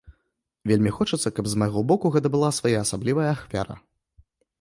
Вельмі хочацца, каб з майго боку гэта была своеасаблівая ахвяра.